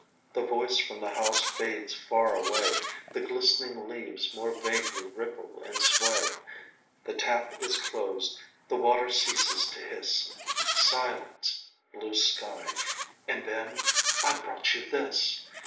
The voice from the house fades far away, The glistening leaves more vaguely ripple and sway .. The tap is closed, the water ceases to hiss ... Silence ... blue sky ... and then, 'I brought you this